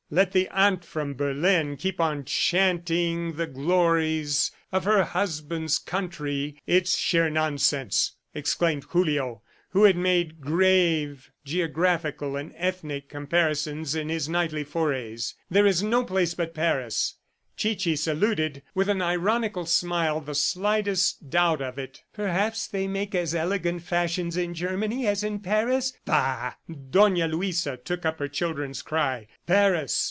Let the "aunt from Berlin" keep on chanting the glories of her husband's country! "It's sheer nonsense!" exclaimed Julio who had made grave geographical and ethnic comparisons in his nightly forays. "There is no place but Paris!" Chichi saluted with an ironical smile the slightest doubt of it "Perhaps they make as elegant fashions in Germany as in Paris? ... Bah!" Dona Luisa took up her children's cry. "Paris!"